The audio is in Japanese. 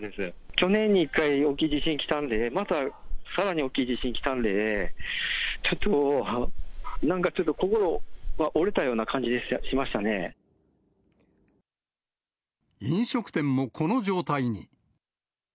去年に１回、大きい地震来たんで、また、さらに大きい地震来たんでね、ちょっと、なんかちょっと心が折飲食店もこの状態に。